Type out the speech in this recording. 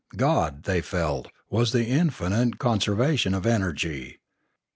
God, they felt, was the infinite conserva tion of energy.